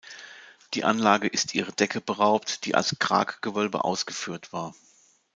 Die Anlage ist ihre Decke beraubt, die als Kraggewölbe ausgeführt war.